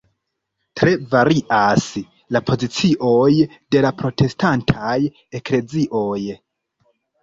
Tre varias la pozicioj de la protestantaj Eklezioj.